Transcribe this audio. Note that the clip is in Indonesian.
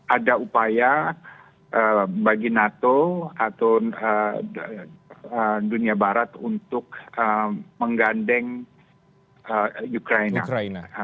ada upaya bagi nato atau dunia barat untuk menggandeng ukraina